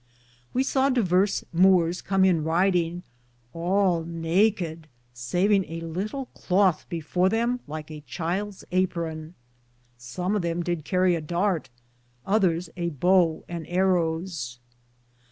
We saw diverse Moores com in riding, all naked, savinge a litle clothe before them like a childe's apron. Som of them did Carrie a darte, otheres a bowe and arros.